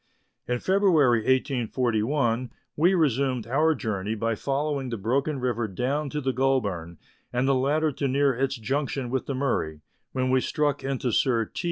In February 1841 we resumed our journey by following the Broken River down to the Goulburn, and the latter to near its junction with the Murray, when we struck into Sir T.